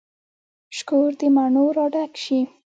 شکور د مڼو را ډک شي